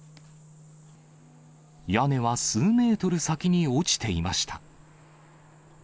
屋根は数メートル先に落ちていました。